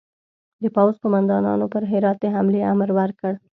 د پوځ قوماندانانو پر هرات د حملې امر ورکړ.